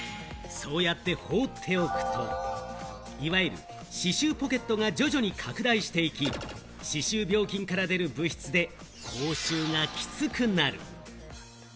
そうやって放っておくと、いわゆる歯周ポケットが徐々に拡大していき、歯周病菌から出る物質で口臭がきつくなる。